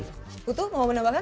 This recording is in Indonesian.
kalau misalnya itu mau menambahkan